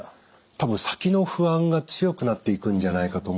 多分先の不安が強くなっていくんじゃないかと思うんです。